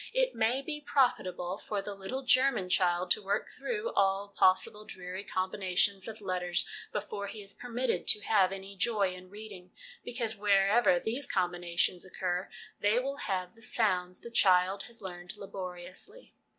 It may be profitable for the little German child to work through all possible dreary combinations of letters before he is permitted to have any joy in ' reading,' because wherever these combinations occur they will have the sounds the child has learned laboriously.